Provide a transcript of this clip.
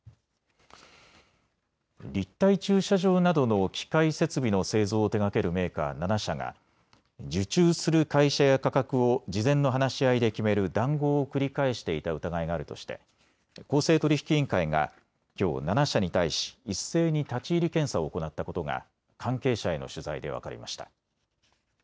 立体駐車場などの機械設備の製造を手がけるメーカー７社が受注する会社や価格を事前の話し合いで決める談合を繰り返していた疑いがあるとして公正取引委員会がきょう７社に対し、一斉に立ち入り検査を行ったことが関係者への取材で分かりました。